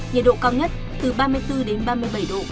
nhiệt độ cao nhất từ ba mươi bốn đến ba mươi bảy độ